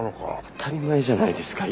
当たり前じゃないですか。